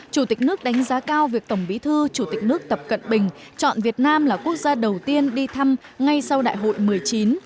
chủ tịch nước đánh giá cao việc tổng bí thư chủ tịch nước tập cận bình chọn việt nam là quốc gia đầu tiên đi thăm ngay sau đại hội một mươi chín